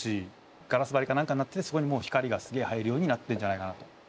ガラス張りか何かになっててそこにもう光がすげえ入るようになってんじゃないかなと。